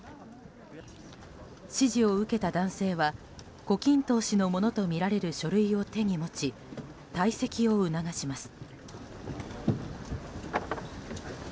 指示を受けた男性は胡錦涛氏のものとみられる書類を手に持ち退席を促します。